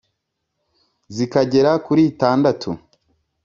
zikagera kuri itandatu.